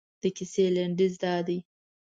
د کیسې لنډیز دادی.